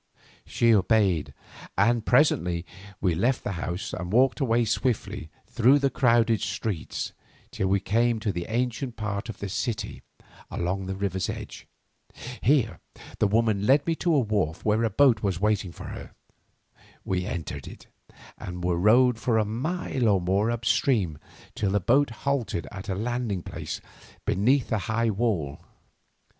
'" She obeyed, and presently we left the house and walked away swiftly through the crowded streets till we came to the ancient part of the city along the river's edge. Here the woman led me to a wharf where a boat was in waiting for her. We entered it, and were rowed for a mile or more up the stream till the boat halted at a landing place beneath a high wall.